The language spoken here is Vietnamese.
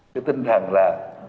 cái tinh thẳng là